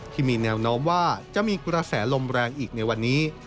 ที่มีแนวโน้มว่าจะมีกระแสลมแรงอีกในวันนี้